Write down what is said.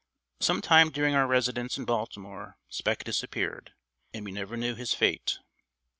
Sometime during our residence in Baltimore, Spec disappeared, and we never knew his fate.